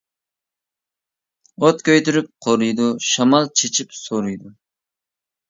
ئوت كۆيدۈرۈپ قورۇيدۇ، شامال چېچىپ سورۇيدۇ.